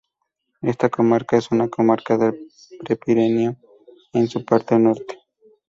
Esta comarca es una comarca del Prepirineo en su parte norte.